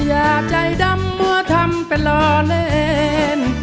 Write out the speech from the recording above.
อย่าใจดำหัวทำไปหลอเล่น